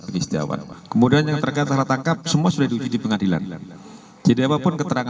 penyelamat dan pembunuhan harus dipuaskan systmarkupur